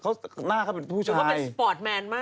เขาหน้าเขาเป็นผู้ช่วยเขาเป็นสปอร์ตแมนมาก